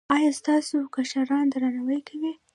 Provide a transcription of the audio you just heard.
ایا ستاسو کشران درناوی کوي؟